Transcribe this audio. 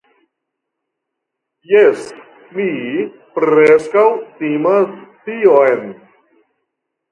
Jes, mi preskaŭ timas tion.